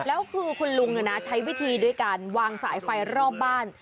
แล้วคือคุณลุงใช้วิธีด้วยการวางสายไฟรอบบ้าน